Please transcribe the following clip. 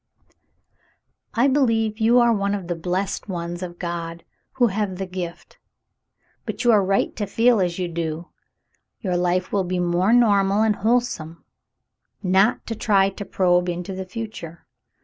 "I believe you are one of the blessed ones of God who have * the gift '; but you are right to feel as you do. Your life will be more normal and wholesome not to try to probe into the future.